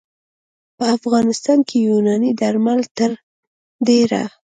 په افغانستان کې یوناني درمل تر ډېره